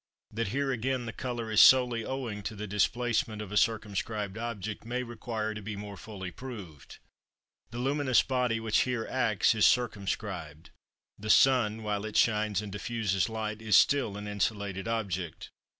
That here again the colour is solely owing to the displacement of a circumscribed object may require to be more fully proved. The luminous body which here acts is circumscribed: the sun, while it shines and diffuses light, is still an insulated object.